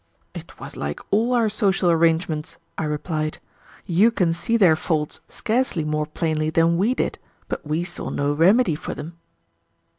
"It was like all our social arrangements," I replied. "You can see their faults scarcely more plainly than we did, but we saw no remedy for them."